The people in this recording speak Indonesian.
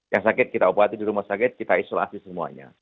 yang sakit kita obati di rumah sakit kita isolasi semuanya